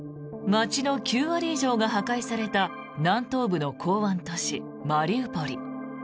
街の９割以上が破壊された南東部の港湾都市マリウポリ。